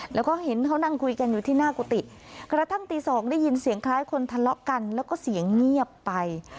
แล้วก็เห็นเขานั่งคุยกันอยู่ที่หน้ากุฏิกระทั่งตีสองได้ยินเสียงคล้ายคนทะเลาะกันแล้วก็เสียงเงียบไป